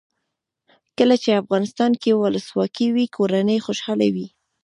کله چې افغانستان کې ولسواکي وي کورنۍ خوشحاله وي.